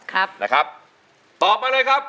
ครับนะครับตอบมาเลยครับ